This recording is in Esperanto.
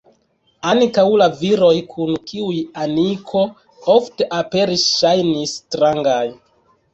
Ankaŭ la viroj kun kiuj Aniko ofte aperis ŝajnis strangaj.